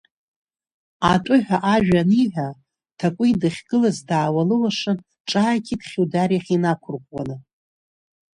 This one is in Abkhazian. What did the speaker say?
Атәы ҳәа ажәа аниҳәа Ҭакәи дахьгылаз даауалуашан, ҿааиҭит Хьудар иахь инақәырӷәӷәаны…